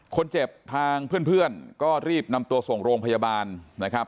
คนเจ็บทางเพื่อนก็รีบนำตัวส่งโรงพยาบาลนะครับ